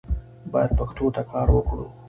باید پښتو ته کار وکړو